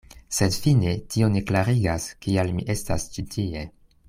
Sed fine tio ne klarigas, kial mi estas ĉi tie.